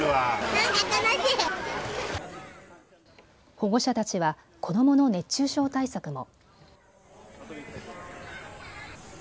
保護者たちは子どもの熱中症対策も。